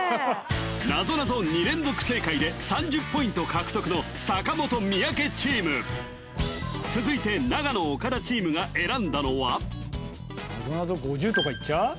なぞなぞ２連続正解で３０ポイント獲得の坂本三宅チーム続いて長野岡田チームが選んだのはなぞなぞ５０とかいっちゃう？